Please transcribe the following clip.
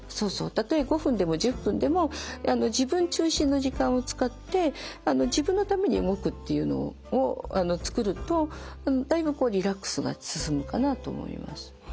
たとえ５分でも１０分でも自分中心の時間を使って自分のために動くっていうのを作るとだいぶリラックスが進むかなと思います。